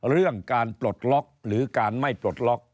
เรื่องการปลดล็อกหรือการไม่ปลดล็อก